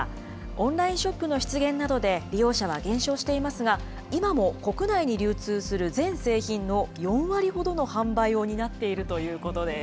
オンラインショップの出現などで利用者は減少していますが、今も国内に流通する全製品の４割ほどの販売を担っているということです。